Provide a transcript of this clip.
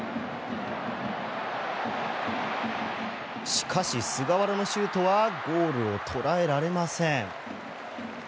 しかし、菅原のシュートはゴールを捉えられません。